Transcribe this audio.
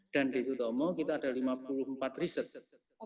dan di sutomo kita ada lima puluh empat riset